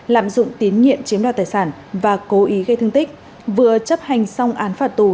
lạm dụng tín nhiệm chiếm đoạt tài sản và cố ý gây thương tích vừa chấp hành xong án phạt tù